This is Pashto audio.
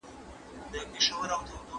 د دولت عایدات به په راتلونکي کي زیات سي.